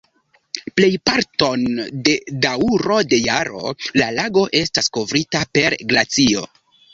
Plejparton de daŭro de jaro la lago estas kovrita per glacio.